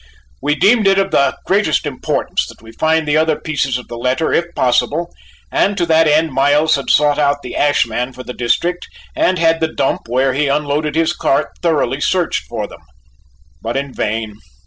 We deemed it of the greatest importance that we find the other pieces of the letter if possible, and to that end Miles had sought out the ash man for the district, and had the dump where he unloaded his cart thoroughly searched for them, but in vain.